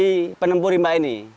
si penempur imba ini